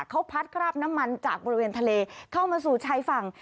เขาพัดคราบน้ำมันจากบริเวณทะเลเข้ามาสู่ชายฝั่ง